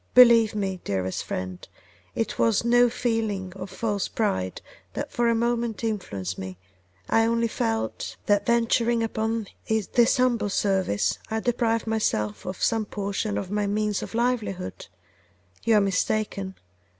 Believe me, dearest friend, it was no feeling of false pride that for a moment influenced me; I only felt ' 'That in venturing upon this humble service I deprived myself of some portion of my means of livelihood: you are mistaken.